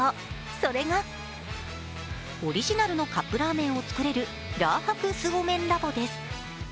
それがオリジナルのカップラーメンを作れるラー博スゴメンラボです。